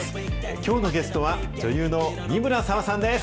きょうのゲストは、女優の仁村紗和さんです。